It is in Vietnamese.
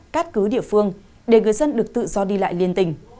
cắt cứ địa phương để người dân được tự do đi lại liên tình